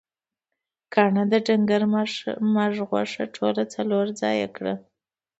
کاڼهٔ د ډنګر مږهٔ غوښه ټوله څلور ځایه کړه.